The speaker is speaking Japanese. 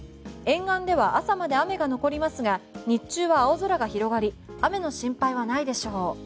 沿岸では朝まで雨が残りますが日中は青空が広がり雨の心配はないでしょう。